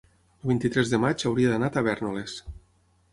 el vint-i-tres de maig hauria d'anar a Tavèrnoles.